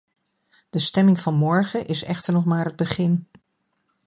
De stemming van morgen is echter nog maar het begin.